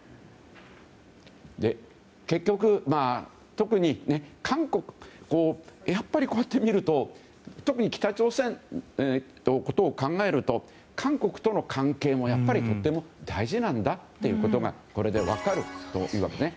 結局、特にやっぱりこうやって見ると特に北朝鮮のことを考えると韓国との関係もやはりとても大事なんだということがこれで分かるというわけです。